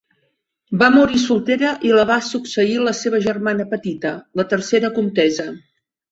Va morir soltera i la va succeir la seva germana petita, la tercera comtessa.